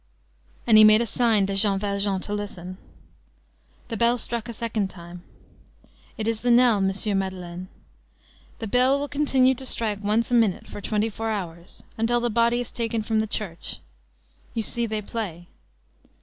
And he made a sign to Jean Valjean to listen. The bell struck a second time. "It is the knell, Monsieur Madeleine. The bell will continue to strike once a minute for twenty four hours, until the body is taken from the church.—You see, they play.